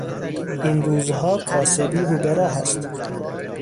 این روزها کاسبی روبراه است.